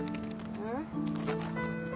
うん？